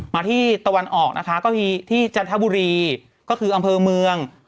มาที่ตะวันออกนะคะก็คือที่จันทบุรีก็คืออำเภอเมือง